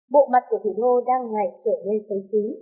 bộ mặt của thủy đô đang ngày trở nên cháy xí